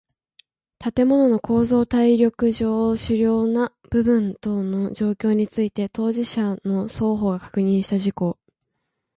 建物の構造耐力上主要な部分等の状況について当事者の双方が確認した事項